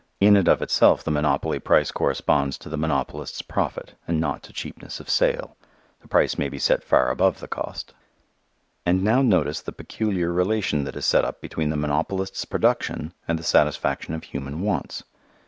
In and of itself the monopoly price corresponds to the monopolist's profit and not to cheapness of sale. The price may be set far above the cost. And now notice the peculiar relation that is set up between the monopolist's production and the satisfaction of human wants.